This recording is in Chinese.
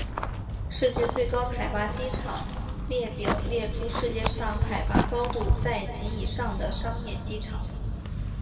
世界最高海拔机场列表列出世界上海拔高度在及以上的商业机场。